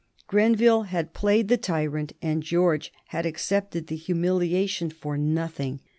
Grenville had played the tyrant and George had accepted the humiliation for nothing.